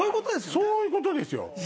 そういうことです。